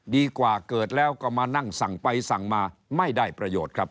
ดีกว่าเกิดแล้วก็มานั่งสั่งไปสั่งมาไม่ได้ประโยชน์ครับ